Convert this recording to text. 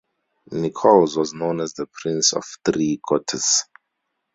Nicholls was known as the "Prince of Threequarters".